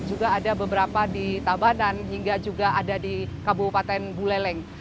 juga ada beberapa di tabanan hingga juga ada di kabupaten buleleng